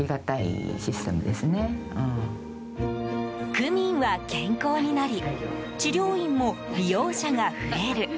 区民は健康になり治療院も利用者が増える。